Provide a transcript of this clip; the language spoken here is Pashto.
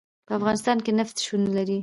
په افغانستان کې نفت شتون لري.